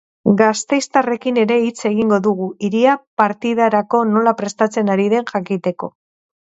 Gasteiztarrekin ere hitz egingo dugu, hiria partidarako nola prestatzen ari den jakiteko.